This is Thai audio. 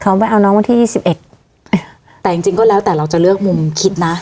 เขาไม่เอาน้องวันที่ยี่สิบเอ็ดแต่จริงจริงก็แล้วแต่เราจะเลือกมุมคิดนะ